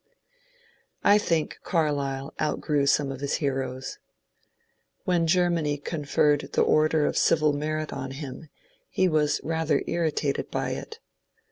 I think Carlyle outgrew some of his heroes. When Ger many conferred the Order of Civil Merit on him he was rather irritated by it.